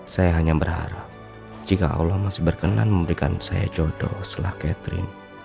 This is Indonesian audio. saya hanya berharap jika allah masih berkenan memberikan saya jodoh setelah catherine